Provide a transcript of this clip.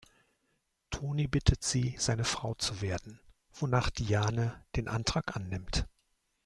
Tony bittet sie, seine Frau zu werden, wonach Diane den Antrag annimmt.